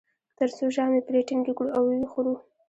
تر څو ژامې پرې ټینګې کړو او و یې خورو.